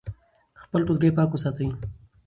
خپل ټولګی پاک وساتئ.